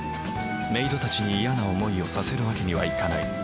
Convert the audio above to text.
メイドたちに嫌な思いをさせるわけにはいかない。